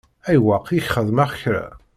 Ayweq i k-xedmeɣ kra?